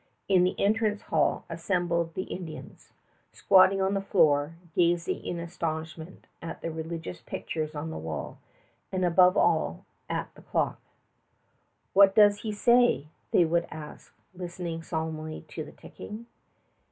In the entrance hall assembled the Indians, squatting on the floor, gazing in astonishment at the religious pictures on the wall, and, above all, at the clock. "What does he say?" they would ask, listening solemnly to the ticking.